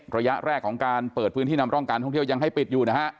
ระยะแรกของการเปิดพื้นที่นำร่องการท่องเที่ยวยังให้ปิดอยู่นะฮะ